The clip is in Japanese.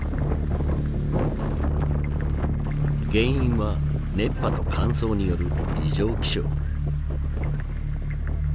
原因は熱波と乾燥による異常気象。